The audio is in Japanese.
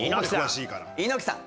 猪木さん。